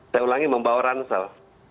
saya ulangi membawa ransel